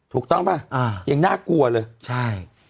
ถูกต้องหรือเปล่ายังน่ากลัวเลย